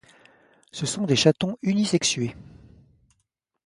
Ce sont des chatons unisexués.